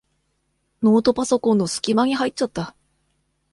ノートパソコンのすき間に入っちゃった。